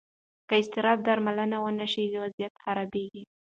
که اضطراب درملنه ونه شي، وضعیت خرابېږي.